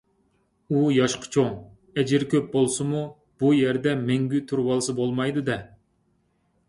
ئۇ ياشقا چوڭ، ئەجرى كۆپ بولسىمۇ، بۇ يەردە مەڭگۈ تۇرۇۋالسا بولمايدۇ - دە.